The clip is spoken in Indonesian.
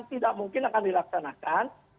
tidak mungkin akan dilaksanakan